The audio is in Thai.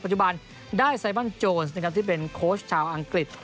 ปัจจุบันได้ไซบันโจนส์ที่เป็นโค้ชชาวอังกฤษ